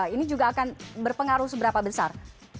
ini juga akan berpengaruh seberapa besar